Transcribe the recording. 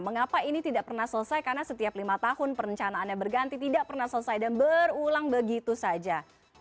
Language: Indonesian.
mengapa ini tidak pernah selesai karena setiap lima tahun perencanaannya berganti tidak pernah selesai dan berulang begitu saja